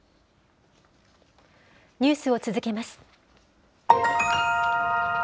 ニュースを続けます。